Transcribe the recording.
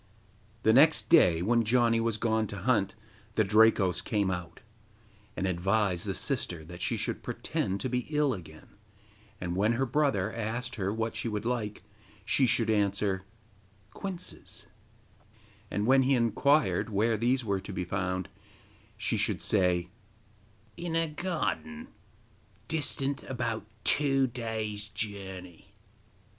The next day, when Janni was gone to hunt, the Drakos came out, and advised the sister that she should pretend to be ill again, and when her brother asked her what she would like, she should answer 'Quinces,' and when he inquired where these were to be found, she should say: 'In a garden distant about two days' journey.